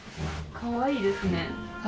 かわいいですね。